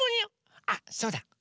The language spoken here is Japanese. あっそうだ。